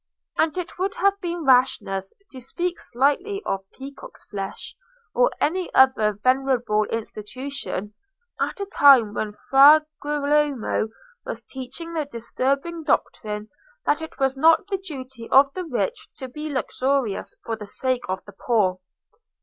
And it would have been rashness to speak slightingly of peacock's flesh, or any other venerable institution, at a time when Fra Girolamo was teaching the disturbing doctrine that it was not the duty of the rich to be luxurious for the sake of the poor.